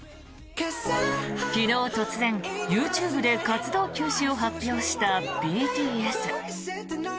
昨日、突然、ＹｏｕＴｕｂｅで活動休止を発表したＢＴＳ。